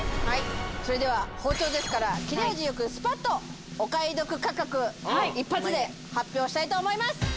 はいそれでは包丁ですから切れ味よくスパッとお買い得価格一発で発表したいと思います